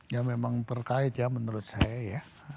ya memang terkait ya menurut saya ya